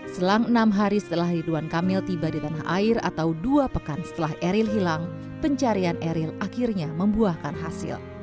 selang enam hari setelah ridwan kamil tiba di tanah air atau dua pekan setelah eril hilang pencarian eril akhirnya membuahkan hasil